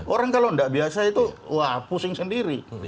orang kalau tidak biasa itu wah pusing sendiri